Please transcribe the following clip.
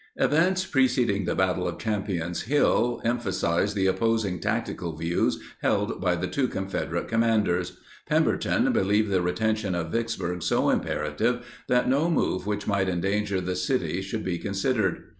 Events preceding the battle of Champion's Hill emphasized the opposing tactical views held by the two Confederate commanders. Pemberton believed the retention of Vicksburg so imperative that no move which might endanger the city should be considered.